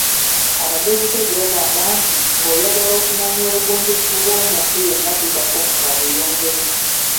Abagezigezi bagamba nti, ng‘oyagala okumanya obugunjufu bw‘omuntu yenna tuukako mu kabuyonjo ye.